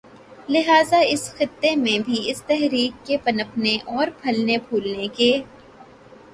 لہٰذا اس خطے میں بھی اس تحریک کے پنپنے اور پھلنے پھولنے کے